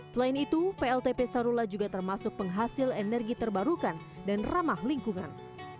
selain itu pltp sarula juga termasuk penghasil energi terbarukan dan ramah lingkungan